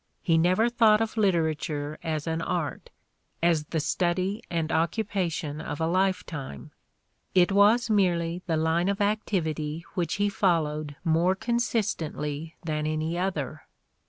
He never thought of literature as an art, as the study and occupation of a lifetime: it was merely the line of activity which he followed more consistently than any other.